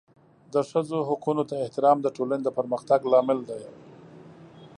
د ښځو حقونو ته احترام د ټولنې د پرمختګ لامل دی.